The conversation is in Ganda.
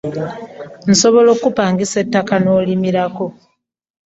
Osobola okupangisa ettaka nolimirako.